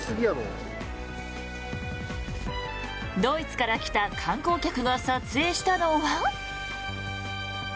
ドイツから来た観光客が撮影したのは。